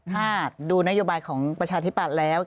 ถ้าดูนโยบายของประชาธิปัตย์แล้ว